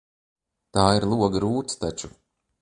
Tā ir loga rūts taču.